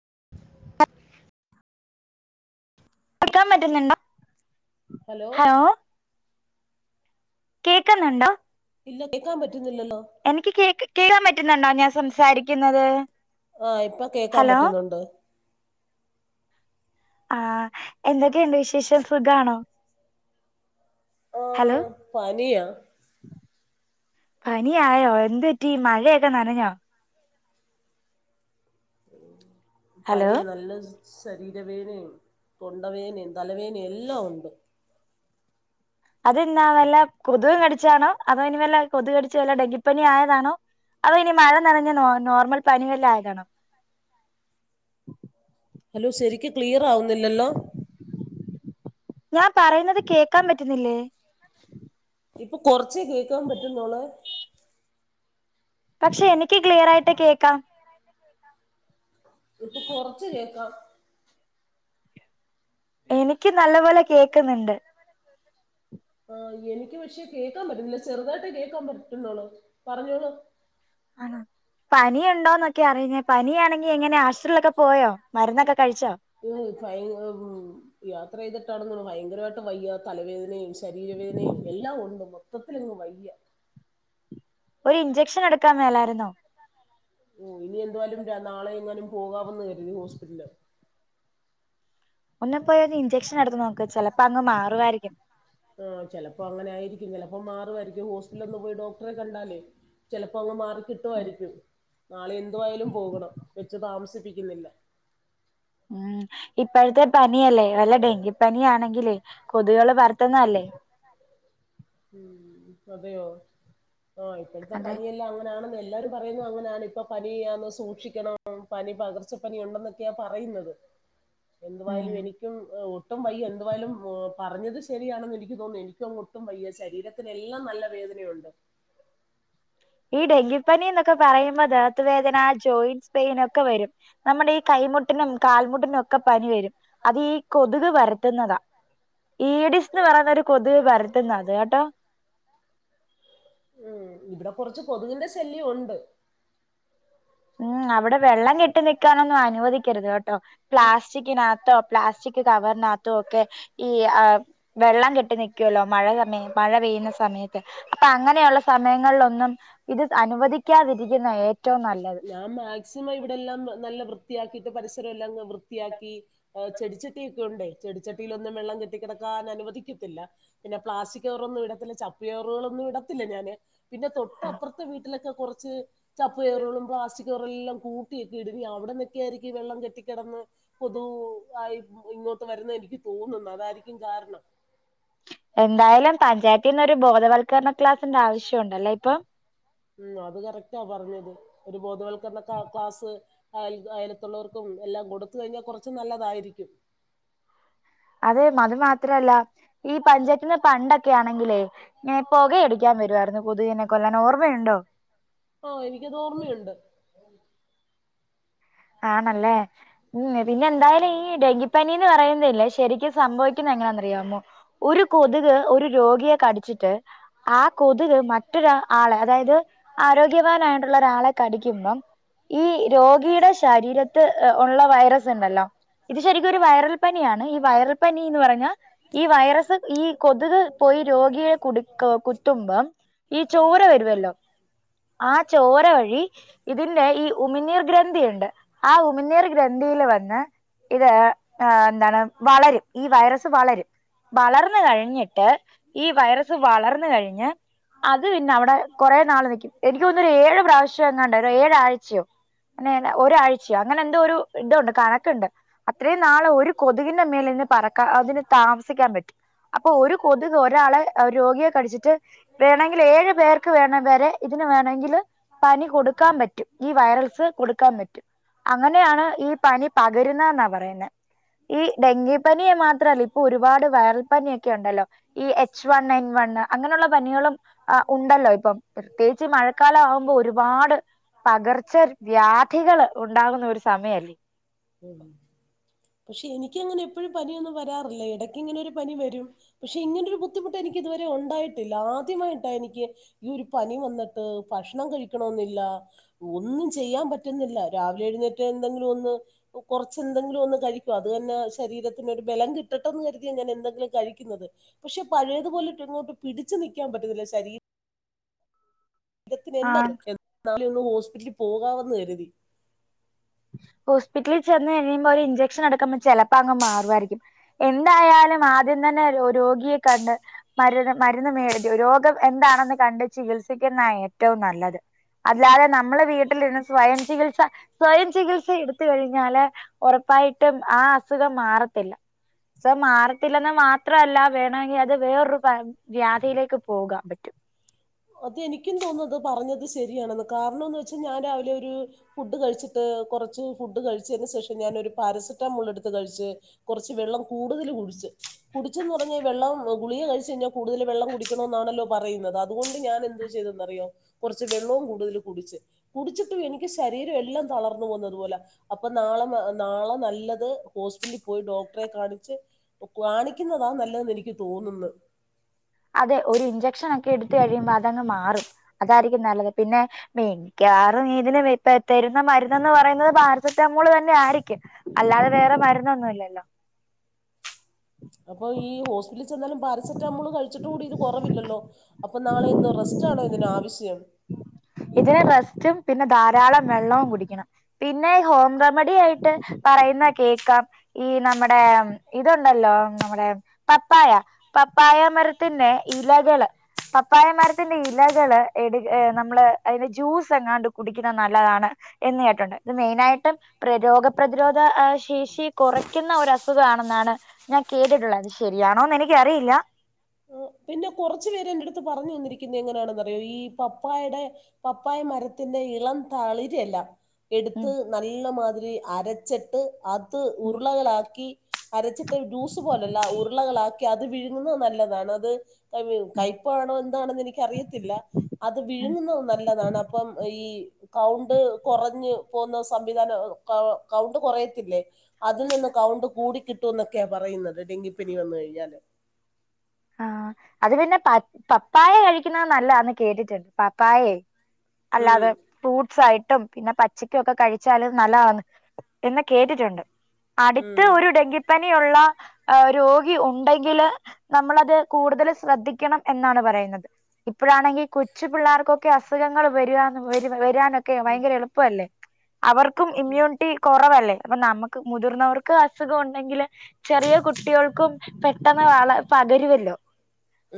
[unintelligible] പഠിക്കാൻ പറ്റുന്നുണ്ടോ ഹലോ കേക്കുന്നുണ്ടോ ഇല്ല കേക്കാ പറ്റുന്നില്ല എനിക്ക് കേക്ക് കേക്കാൻ പറ്റുന്നുണ്ടോ ഞാൻ സംസാരിക്കുന്നത് ആഹ ഇപ്പൊ കേക്കാൻ ഹലോ പറ്റുന്നുണ്ട് ആഹ എന്തൊക്കെയുണ്ട് വിശേഷം സു ഗാണോ ആഹ പനിയാ പനിയായോ എന്തറ്റി മഴയൊക്കെ നനഞ്ഞോ ഹലോ പനിയ നല്ല ശരീരവേദനയും തൊണ്ടവേനയും തലവേനയും എല്ലാം ഉണ്ട് അതെന്ന വല്ല കൊതും കടിച്ചാണോ അതോ ഇനി വല്ല കൊതു കടിച്ച വല്ല ഡെങ്കിപ്പനി ആയതാണോ അതോ ഇനി മഴ നിറഞ്ഞോ നോർമൽ പനീ വല്ല ആയതണോ ഹലോ ശരിക്കു ക്ലിയർ ആവുന്നില്ലല്ലോ ഞാൻ പറയുന്നത് കേക്കാൻ പറ്റുന്നില്ലേ ഇപ്പൊ കൊറച്ച കേക്കാൻ പറ്റുന്നോള പക്ഷെ എനിക്ക് ക്ലിയർായിട്ട് കേക്കാം ഇപ്പൊ കൊറച്ച് കേക്കാം എനിക്ക് നല്ല പോലെ കേക്കുന്നുണ്ട് ഉ ആഹ് എനിക്ക് പക്ഷേ കേക്കാൻ പറ്റുന്നില്ല ചെറുതായിട്ട് കേൾക്കാൻ പറ്റുന്നോളു പറഞ്ഞോളു ആണോ പനിയ ഉണ്ടോന്നൊക്കെ അറിയിഞ്ഞ പനിയാണെങ്കി എങ്ങനെ ആശുപത്രിലൊക്കെ പോയോ മരുന്നൊക്കെ കഴിച്ചോ മം ഫൈ യാത്ര ചെയ്തിട്ട് ആണ് ഭയങ്കരമായിട്ട് വയ്യ തലവേദനയും ശരീരവേദനയും എല്ലാം ഉണ്ട് മൊത്തത്തിലങ്ങ് വയ്യ [unintelligible] ഒരു ഇഞ്ചക്ഷൻ എടുക്കാൻ മേലായിരു ന്നോ ഓ ഇനി എന്തായാലും നാളെ എങ്ങാലും പോകാവെന്ന് വരീ ഹോസ്പിറ്റല് ഒന്ന്‌ പോയി ഒരു ഇഞ്ചക്ഷൻ എടുത്ത് നോക്ക് ചെലപ്പോ അങ്ങ് മാറുവാ യിരിക്കും അപ്പ മാറുവായിരിക്കും ഹോസ്പിറ്റലുളൊക്കെ ഒന്ന് പോയി ഡോക്ടറെ കണ്ടാലേ ചിലപ്പോ അങ്ങ് മാറ കിട്ടുവായിരിക്കും നാളെ എന്തു ആയാലും പോകണം വെച്ച് താമസിപ്പിക്കുന്നില്ല മ ഇപ്പോഴത്തെ പനിയല്ലേ വല്ല ഡെങ്കിപനി പനിയാണെങ്കിലേ കൊതുകുകള് പരത്തുന്ന അല്ലേ ഉം അതെയോ ആഹ് ഇപ്പഴത്തെ അതെ പനിയെല്ലാം അങ്ങനാണെന്ന് ല്ലാരും പറയുന്നു അങ്ങനെയാണ് ഇപ്പൊ പനിയാന്ന് സൂക്ഷിക്കണം പനി പകർച്ചപ്പനി ഉണ്ടെന്നൊക്കെയാ പറയുന്നത്. എന്തുവായാലും ഉം എനിക്കും ഹ് ഒട്ടും വയ്യ എന്തുവായാലും മോ പറഞ്ഞത് ശരിയാണെന്ന് എനിക്ക് തോന്നുന്നു എനിക്കും അങ്ങൊട്ടും വയ്യ സ് ശരീരത്തിനെല്ലാം നല്ല വേദനയുണ്ട്. ഈ ഡെങ്കിപ്പനീന്നൊക്കെ പറയുമ്പോ ദേഹത്തു വേദന ജോയിൻറ്സ് പെയിൻ ഒക്കെ വരും നമ്മുടെ ഈ കൈ കൈ മുട്ടിനും കാൽമുട്ടിനും ഒക്കെ പനി വരും അത് ഈ കൊതുക് പരത്തുന്നതാ. ഈഡിസ് ന്ന് പറയുന്നൊരു കൊതുവ് പരത്തുന്ന അത് കേട്ടോ ഉം ഇബടെ കൊറച്ച് കൊതുകിന്റെ ശല്യം ഉണ്ട്. ഉം അവടെ വെള്ളം കെട്ടി നിക്കാനൊന്നും അനുവദിക്കരുത് കെ ട്ടോ പ്ലാസ്റ്റിക്കിനകത്തോ പ്ലാസ്റ്റിക് കവ നകത്തുവൊക്കെ ഈ ആ വെള്ളം കെട്ടി നിക്ക്വല്ലോ മഴ സമയം മഴ പെയ്യുന്ന സമയത്ത് അപ്പ അങ്ങനെയുള്ള സമയങ്ങളിലൊന്നും ഇത് അനുവദിക്കാതിരിക്കുന്നാ ഏറ്റവും നല്ലത്. ഞാൻ മാക്സിമം ഇവിടെല്ലാം നല്ല വൃത്തിയാക്കിയിട്ട് പരിസരം എല്ലാം വൃത്തിയാക്കി ഏഹ് ചെടിച്ചട്ടി ഒക്കെ ഉണ്ടേ. ചെടിച്ചട്ടിയിലൊന്നും വെള്ളം കെട്ടിക്കെടക്കാൻ അനുവദിക്കത്തില്ല പിന്നെ പ്ലാസ്റ്റിക് കവറൊന്നും ഇടത്തില്ല ചപ്പ് ചവറുകളൊന്നും ഇട ത്തില്ല ഞാന്. പിന്നെ ഉം. തൊട്ടപ്പുറത്തെ വീട്ടിലൊക്കെ കൊറച്ച് ചപ്പ് ചവറ്കളും പ്ലാസ്റ്റിക് കവറെല്ലാം കൂ കൂട്ടിയക്കെ ഇടും. ഇനി അവടന്നക്കെയായിരിക്കും വെള്ളം കെട്ടിക്കിടന്ന് കൊതു ആയി ഇം ഇങ്ങോട്ട് വരുന്നെ എനിക്ക് തോന്നുന്ന്. അതായിരിക്കും കാരണം എന്തായാലും പഞ്ചായത്തീന്ന് ഒരു ബോധവത്ക്കരണ ക്ലാസ് ന്റെ ആവശ്യോണ്ടല്ലേ ഇപ്പം ഉം അത് കറക്റ്റാ പറഞ്ഞത് ഒരു ബോധവൽക്കരണ ക്ലാ ക്ലാസ് അയൽ അയലത്തുള്ളവർക്കും എല്ലാം കൊടുത്ത് കഴിഞ്ഞാൽ കുറച്ച് നല്ലതായിരിക്കും അതെ അത് മാത്രല്ല ഈ പഞ്ചായത്തീന്ന് പണ്ടൊക്കെ ആണെങ്കിലേ ഇങ്ങനെ പൊക അടി ടിക്കാൻ വരുവായിരുന്നു കൊതുകിനെ കൊല്ലാൻ ഓർമ്മയുണ്ടോ ആഹ് എനിക്കത് ഓർമ്മയുണ്ട് [inaudible] ആണല്ലേ ഉം പിന്നെ എന്തായാലും ഈ ഡെങ്കിപ്പനീന്ന് പറയുന്നില്ലേ ശരിക്കും സംഭവിക്കുന്ന എങ്ങനാന്നറിയാമോ ഒരു കൊതുക് ഒരു രോഗിയെ കടിച്ചിട്ട് ആ കൊതുക് മറ്റൊരു ആളെ അതായത് ആരോഗ്യവാനായിട്ടുള്ള ഒരാളെ കടിക്കുമ്പം ഈ രോഗിയുടെ ശ രീരത്ത് ഉള്ള വൈറസ് ഉണ്ടല്ലോ ഇത് ശരിക്കും ഒരു വൈറൽ പനിയാണ് ഈ വൈറൽ പനിയെന്ന് പറഞ്ഞാ ഈ വൈറസ് ഈ കൊതുക് പോയി ഈ രോഗിയെ കുടി കുത്തുമ്പം ഈ ചോര വരുവല്ലോ ആ ചോര വഴി ഇതിന്റെ ഈ ഉമിനീർ ഗ്രന്ഥിയുണ്ട് ഗ്രന്ഥിയില് വന്ന് ഇത് എന്താണ് വളരും ഈ വൈറസ് വളരും വളർന്നു കഴിഞ്ഞിട്ട് ഈ വൈറസ് വളർന്നു കഴിഞ്ഞ് അത് പിന്നെ അവിടെ കൊറേ നാള് നിക്കും എനിക്ക് തോന്നുന്നു ഒരു ഏഴ് പ്രാവശ്യം എങ്ങാണ്ട് ഏഴ് ആഴ്ചയോ അങ്ങനെ ഒരാഴ്ചയോ അങ്ങനെ എന്തോ ഒരു ഇതുണ്ട് കണക്കുണ്ട് അത്രയും നാള് ഒരു കൊതുകിന്റെ മേലെന്ന് പറക്കാൻ അതിന് താമസിക്കാൻ പറ്റും അപ്പൊ ഒരു കൊതുക് ഒരാള് രോഗിയെ കടിച്ചിട്ട് വേണെങ്കിൽ ഏഴു പേർക്ക് വേണേ വരെ ഇത് വേണമെങ്കിൽ പനി കൊടുക്കാൻ പറ്റും ഈ വൈറൽസ് കൊടുക്കാൻ പറ്റും അങ്ങനെയാണ് ഈ പനി പകരുന്നതെന്നാ പറയുന്നെ ഈ ഡെങ്കി പനി മാത്രമല്ല ഇപ്പൊ ഒരുപാട് വയറൽ പനിയൊക്കെ ഉണ്ടല്ലോ ഈ എച്ച് വൺ എൻ വൺ അങ്ങനെയുള്ള പനികളും ഉണ്ടല്ലോ ഇപ്പൊ പ്രത്യേകിച്ച് മഴക്കാലാവുമ്പോ ഒരുപാട് പകർച്ച വ്യാ ഉണ്ടാകുന്ന ഒരു ഉം പക്ഷെ എനി ക്കങ്ങനെ എപ്പഴും പനിയൊന്നും വരാറില്ല ഇടക്കിങ്ങനെ ഒരു പനി വരും പക്ഷെ ഇങ്ങനെ ഒരു ബുദ്ധിമുട്ടെനിക്ക് ഇതുവരെ ഉണ്ടായി ആദ്യമായിട്ട എനിക്ക് ഈ ഒരു പനി വന്നിട്ട് ഭക്ഷണം കഴിക്കണോംന്നില്ല ഒന്നും ഒന്നും ചെയ്യാൻ പറ്റുന്നില്ല. രാവിലെഴുന്നേറ്റ് എന്തെങ്കിലും എന്തെങ്കിലൊന്ന് കുറച്ചെന്തെങ്കിലൊന്ന് കഴിക്കും. അത് തന്നെ ശരീരത്തിനൊരു ബലം കിട്ട ട്ടട്ടെന്ന് കരുതിയ എന്തെങ്കിലും കഴിക്കുന്നത്. പക്ഷെ പഴയതു പോലെ ഇപ്പങ്ങോട്ട് പിടിച്ച് നിൽക്കാൻ പറ്റുന്നില്ല ശരീരം [inaudible] ആണ്. [unintelligible] എന്നാലും ഒന്ന് ഹോസ്പിറ്റലിൽ പോകാമെന്ന് കരുതി ഹോസ്പിറ്റലിൽ ചെന്ന് കഴിയുമ്പോ അവര് ഇഞ്ച ക്ഷനെടുക്കുമ്പോ ചെലപ്പോ അങ്ങ് മാറുവായിരിക്കും. എന്തായാലും ആദ്യം തന്നെ രോഗിയെ കണ്ട് മരുന്ന് മരുന്ന് മേടിച്ചിട്ട് രോഗം എന്താണെന്ന് കണ്ട് ചികിത്സിക്കുന്നതാ ഏറ്റവും നല്ലത് അല്ലാതെ നമ്മള് വീട്ടിലിരുന്ന് സ്വയം ചികിത്സ സ്വയം ചികിത്സ എടുത്ത് കഴിഞ്ഞാല് ഉറപ്പായിട്ടും ആ അസുഖം മാറത്തില്ല സാർ, മാറത്തില്ലെന്ന് മാത്രല്ല, വേണോങ്കി, അത് വേറൊരു, വാ, വ്യാധിയിലേക്ക്, പോകാൻ പറ്റും. [unintelligible] നിക്കും, തോന്നുന്നത്, പറഞ്ഞത് ശരിയാണെന്ന്, കാരണംന്ന്വെച്ച്, ഞാൻ രാവിലെ, ഒരു ഫുഡ് കഴിച്ചിട്ട്, കുറച്ച് ഫുഡ്‌, കഴിച്ചതിനു, ശേഷം, ഞാനൊരു, പാരസെറ്റമോൾ, എടുത്ത് കഴച്ച്, കൊറച്ച് വെള്ളം കൂടുതൽ കുടിച്ച്, കുടിച്ചെന്ന് പറഞ്ഞാ, വെള്ളം ഗുളിക, കഴിച്ചഴിഞ്ഞാ, കൂടുതൽ വെള്ളം, കുടിക്കണം, എന്നാണല്ലോ പറയുന്നത്, അതുകൊണ്ട്, ഞാൻ, എന്തോ, ചെയ്തന്നറിയോ, കുറച്ച്, വെള്ളോം, കൂടുതൽ, കുടിച്ച്, കുടിച്ചിട്ടും, എനിക്ക് രീരം, എല്ലാം, തളർന്ന്പോവുന്നത്, പോലെ അപ്പൊ, നളെ [unintelligible] നല്ലത് ഹോസ്പിറ്റിൽ, പോയി ഡോക്ടറെ കാണി ച്ച്, കാണിക്കുന്നതാ, നല്ലതെന്ന്, എനിക്ക്, തോന്നുന്ന്. അതെ, ഒരു ഇഞ്ചക്ഷനൊക്കെ, എടുത്ത്, കഴിയുമ്പോ അതങ്ങ് മാറും, അതാ രിക്കും, നല്ലത്, പിന്നെ, മിക്യവാറും, ഇതിന്, വെ, തെ, തരുന്ന, മരുന്നെന്ന്, പറയുന്നത്, പാരസെറ്റമോൾ തന്നെ യായിരിക്കും, അല്ലാതെ, വേറെ, മരുന്നൊന്നുംല്ലല്ലോ. അപ്പൊ, ഈ, ഹോസ്റ്റ ച്ചെന്നാലും, പാരസെറ്റാമോൾ, കഴിച്ചിട്ട് കൂടി, ഇത്, കുറവില്ലല്ലോ, അപ്പൊ നാളെ എന്ത, റെസ്റ്റാണോ ഇതിനാവശ്യം. ഇതിന്, റസ്റ്റും, പിന്നെ ധാരാളം വെള്ളവും, കുടിക്കണം, പിന്നെ ഈ, ഹോം റെമഡി, ആയിട്ട് പറയുന്ന, കേക്കാം, ഈ, നമ്മുടെ, ഇതുണ്ടല്ലോ, നമ്മുടെ, പപ്പായ. പപ്പായ, മരത്തിന്റെ ഇലകള്, പ പപ്പായ, മരത്തിന്റെ, ഇലകള്, എട്, നമ്മള്, അതിന്റെ, ജ്യൂസ്, എങ്ങാണ്ട്, കുടിക്കുന്നത്, നല്ലതാണ്, എ [unintelligible] യിട്ടുണ്ട്. ഇത്, മെയിനായിട്ടും, പ്ര, രോഗപ്രതിരോധ, ശേഷി കുറയ്ക്കുന്ന, ഒരു അസുഖ, ആണെന്നാണ്, ഞ കേട്ടിട്ടുള്ളത്, ശരിയാണൊന്നെനിക്ക് ആ, പിന്നെ, കൊറച്ചു, പേര്, എന്റെടുത്ത്, പറഞ്ഞുതന്നിരിക്കുന്ന ങ്ങ ന്താണന്നറിയോ, ഈ, പപ്പായടെ, പപ്പായ, മരത്തിന്റെ, ഇളം തളിരെല. ഉം, എടുത്ത്, നല്ല മാതിരി, അരച്ചിട്ട്. അത്, ഉം, ഉരുളകളാക്കി, അരച്ചിട്ട് ജ്യൂസ്, പോലല്ല, ഉരുളകളാക്കി, അത്, വിഴ ന്നുന്നത്, നല്ലതാണത് ഉം, കയ്പ്പാണോ, എന്താണെന്ന്, എനിക്കറിയത്തില്ല, അത്, വിഴുങ്ങുന്നും, നല്ലതാണ് അപ്പം, ഈ കൗണ്ട് കൊറ പോന്ന, സംവിധാനം, കൗ, കൗണ്ട്, കുറയത്തില്ലേ, അതിൽ നിന്ന്, ഉം. കൗണ്ട് കൂടി, കിട്ടു ക്ക്യ, പറയുന്നത്, ഡെങ്കിപ്പനി, വന്നു, കഴിഞ്ഞാല് ആഹ, അത് പിന്നെ, പ, പപ്പായ, കഴിക്കുന്നത്, നല്ലാന്ന്, കേട്ടിട്ടുണ്ട്, പപ്പായേ. ഉം അല്ലാതെ, ഫ്രൂട്ട്സ്, ആയി ഇട്ടും, പിന്നെ, പച്ചക്കും, ഒക്കെ കഴിച്ചാൽ, നല്ലതാന്ന് എന്ന് കേട്ടിട്ടുണ്ട് അടുത്ത്, ഉം ഒരു ഡെങ്കിപ്പനിയുള്ള, രോഗി ഉണ്ടെങ്കില്. നമ്മളത്, കൂടുതൽ ശ്രദ്ധിക്കണം, എന്നാണ് പറയുന്നത്, ഇപ്പോഴാണെങ്കി, കൊച്ചു പിള്ളേർക്കൊക്കെ, അസുഖങ്ങളും വരുവാന്ന്, വരാ, വരാനൊക്കെ, ഭയങ്കര, എളുപ്പമല്ലേ. അവർക്കും, ഇമ്മ്യൂണിറ്റി, കുറവല്ലേ അപ്പൊ, നമുക്ക് മുതിർന്നവർക്ക്, അസുഖം, ഉണ്ടെങ്കില് ചെറിയ കുട്ടികൾക്കും, പെട്ടെന്ന് വള പകരുവല്ലോ.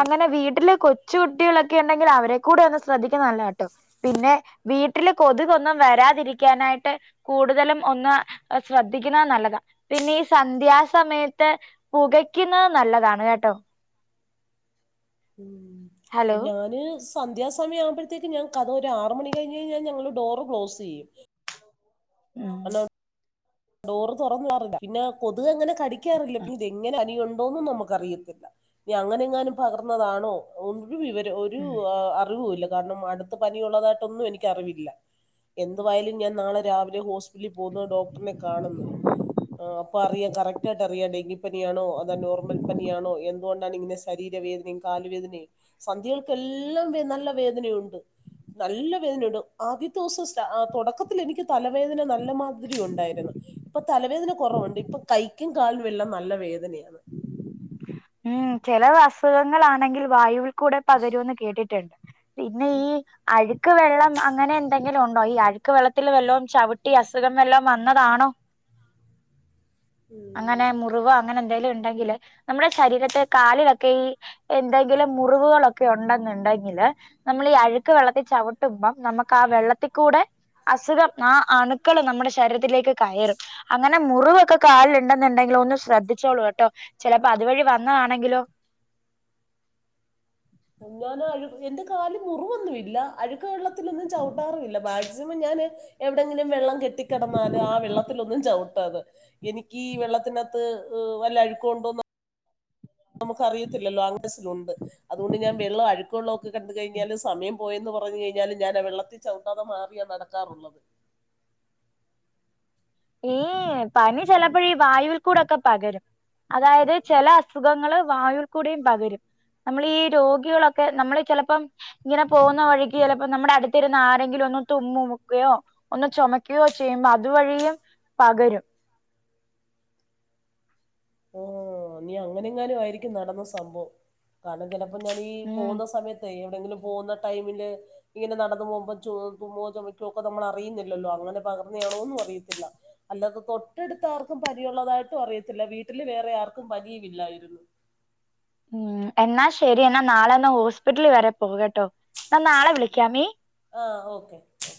അങ്ങനെ വീട്ടില്, കൊച്ചു കുട്ടികളൊക്കെ, ഉണ്ടെങ്കില്, അവരെ ക്കൂടെ, ഒന്ന്, ശ്രദ്ധിക്കുന്നതല്ലതാട്ടോ, പിന്നെ വീട്ടില്, കൊതുകൊന്നും, വരാതിരിക്കാനായിട്ട്, കൂടുതലും, ഒന്ന്, ശ്രദ്ധിക്കുന്നത്, നല്ലതാ പിന്നെ ഈ, സന്ധ്യാസമയത്ത്, പുകയ്ക്കുന്നത് നല്ലതാണ്, കേട്ടോ. ഉം, ഹലോ അപ്പം, ഞാന്, സ് സന്ധ്യാസമയം, ആവുമ്പോഴത്തേക്ക്, ഞാൻ, കഥവ്, ഒരു, ആറ് മണി, കഴിഞ്ഞ്, കഴിഞ്ഞാ, ഞങ്ങള്, ഡോറ്, ക്ലോസ്, ചെയ്യും. ഉം [unintelligible] ഡോറ്, തുറന്ന് [unintelligible] പിന്നെ, കൊതുക്, എങ്ങനെ കടിക്കാറില്ല, ഉം പി, തെങ്ങന, അനിയ ണ്ടോന്നും, നമുക്കറിയത്തില്ല, നി അങ്ങനെ, എങ്ങാനും, പകർന്നതാണോ ഒരു, വിവര, ഒരു, ഉം ആ, അറിവുല്ല, കാരണം, അടുത്ത പനിയുള്ളതായിട്ടൊന്നും, എനിക്ക്, അറിവില്ല. എന്തുവായാലും, ഞാൻ, നാളെ, രാവിലെ, ഹോസ്പിറ്റലിൽ, പോകുന്ന ഡോക്ടറിനെ, കാണുന്നു ആ, അപ്പൊ, അറിയാം കറക്റ്റായിട്ടറിയാം, ഡെങ്കി, പനിയാണോ, അതാ നോർമൽ പനിയാണോ, എന്തുകൊണ്ടാണ്, ഇങ്ങനെ, ശരീ തീര, വേദനയും, കാല്, വേദനയും, സന്ധികൾക്കെല്ലാം, വെ, നല്ല വേദനയുണ്ട്. നല്ല വേദനയുണ്ട് ആദ്യത്തെ ദിവസംസ തുടക്കത്തിൽ എനിക്ക് തലവേദന നല്ല മാതിരി ഉണ്ട്. തലവേദന കുറവുണ്ട് ഇപ്പൊ കൈക്കും കാലിനും എല്ലാം നല്ല വേദനയാണ്. ചിലഅസുഖങ്ങൾാണെങ്കിൽ വായുവിൽ കൂടെ പകരുമന്ന് കേട്ടിട്ടുണ്ട്. പിന്നെ ഈ അഴുക്ക് വെള്ളം അങ്ങനെ എന്തെ [unintelligible] ഉണ്ടോ ഈ അഴുക്ക് വെള്ളത്തിൽ വെല്ലതും ചവിട്ടി അസുഖം വെല്ലതും വന്നതാണോ അങ്ങനെ മുറിവോ അങ്ങനെ എന്തെങ്കിലും ഉണ്ടെങ്കില് നമ്മുടെ ശരീരത്തെ കാലിലൊക്കെ ഈ എന്തെങ്കിലും. മുറിവുകളൊക്കെ ഉണ്ടെന്നുണ്ടെങ്കില് നമ്മൾ ഈ അഴുക്ക് വെള്ളത്തിൽ ചവിട്ടുമ്പം നമുക്ക് ആ വെള്ളത്തിൽക്കൂടെ. അസുഖം ആ അണുക്കൾ നമ്മുടെ ശരീരത്തിലേക്ക് കയറും അങ്ങനെ മുറിവൊക്കെ. കാലുണ്ടെന്നുണ്ടെങ്കിലോ ഒന്ന് ശ്രദ്ധിച്ചോളൂ കേട്ടോ ചിലപ്പോ അതുവഴി വന്നതാണെങ്കിലോ? ഞാൻ അഴു എന്റെ കാലിൽ മുറിവൊന്നും ഇില്ല അഴുക്ക ഉുള്ള ത്തിലൊന്നും ചവിട്ടാറില്ല മാക്സിമം ഞാൻ എവിടെയെങ്കിലും വെള്ളം കെട്ടിക്കിടന്നാല് ആ വെള്ളത്തിലൊന്നും ച അെ എനിക്ക് വെള്ളത്തിനകത്ത് വല്ല അഴുക്കുണ്ടോന്ന. നമുക്ക് അറിയത്തില്ലോ അംഗസ്സിലുണ്ട് അതുകൊണ്ട് ഞാൻ വെള്ളം അഴുക്കള്ളക്കെ കണ്ട കഴിഞ്ഞാല് സമയം പോയെന്ന് പറഞ്ഞു കഴിഞ്ഞാലും ഞൻ ആ വെള്ളത്തിൽ ചവിണ്ടാതെ മാറിയാ നടക്കാറുള്ളത്. ഈ പനി ചിലപ്പോഴ ഈ വായുവിൽ കൂടെൊക്കെ പകരും. അതായത് ചില അസുഖങ്ങള് വായുൽ കൂടെയും പകരും. നമ്മൾ ഈ രോഗികളൊക്കെ നമ്മൾ ചിലപ്പോം ഇങ്ങനെ പോകുന്ന വഴിക്ക് ചിലപ്പോ നമ്മുടെ അടുത്തിരുന്ന ആരെങ്കിലും. ഒ തുമ്മക്കുകയോ ഒന്ന് ചുമക്കുകയോ ചെയ്യുമ്പോ അതുവഴിയും. പകരം. ഓ നീ അങ്ങനെ എങ്ങാനും ആയിരിക്കും നടന്ന സംഭവം കാരണം ചില അപ്പൊ ഞാൻീ ഉം പോകുന്ന സമയത്ത്. ക്കിലുംപോുന്ന ടൈമില് ഇങ്ങനെ നടന്ന് പോകുമ്പ ചു തുമ്മോ ചുമക്കോ ഒക്കെ നമ്മൾ അറിയുന്നില്ലല്ലോ അൻങ്ങന അങ്ങനെയാണോന്നും അറിയത്തില്ല അല്ലാതെ തൊട്ടടുത്ത ആർക്കും പനി ഉള്ളതായിട്ടും അറിയത്തില്ല വീ വീട്ടില് വേറെ ആർക്കും പനിയുമില്ലായിരുന്നു. ഉം എന്നാ ശരി എന്നാ നാളെന്ന് ഹോസ്പിറ്റൽ വരെ പോകട്ടെ. നാളെ വിളിക്കാമീ. ആഹ് ഓക്കെ